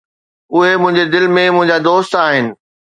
اهي منهنجي دل ۾ منهنجا دوست آهن